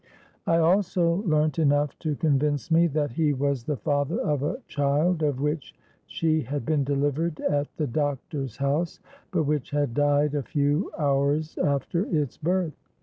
I also learnt enough to convince me that he was the father of a child of which she had been delivered at the doctor's house, but which had died a few hours after its birth.